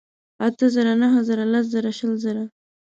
اتۀ زره ، نهه زره لس ژره شل زره